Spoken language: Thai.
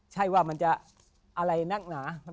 ใช่ว่ามันจะอะไรนักหนา